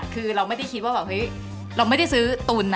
คือเราไม่ได้คิดว่าเราไม่ได้ซื้อตุน